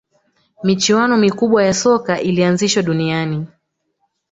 michuano mikubwa ya soka ilianzishwa duniani